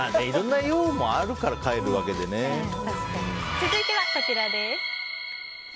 続いてはこちらです。